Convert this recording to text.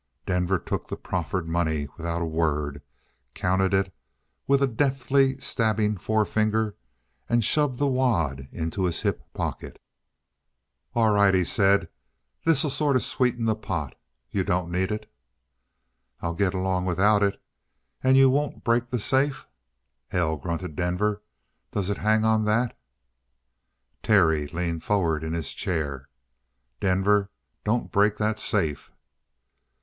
Denver took the proffered money without a word, counted it with a deftly stabbing forefinger, and shoved the wad into his hip pocket. "All right," he said, "this'll sort of sweeten the pot. You don't need it?" "I'll get along without it. And you won't break the safe?" "Hell!" grunted Denver. "Does it hang on that?" Terry leaned forward in his chair. "Denver, don't break that safe!"